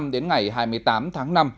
đến ngày hai mươi tám tháng năm